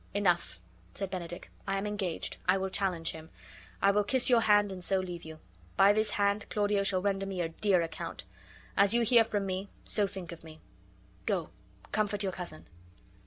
"Enough," said Benedick. "I am engaged; I will challenge him. I will kiss your hand, and so leave you. By this hand Claudio shall render me a dear account! As you hear from me, so think of me. Go, comfort your cousin."